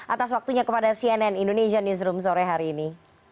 atas waktunya kepada cnn indonesia newsroom sore hari ini